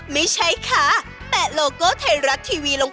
มาปูถับเก้าอี้ลงไปอีกชั้น